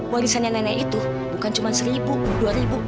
warisannya nenek itu bukan cuma seribu dua ribu